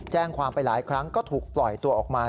แจ้งความไปหลายครั้งก็ถูกปล่อยตัวออกมา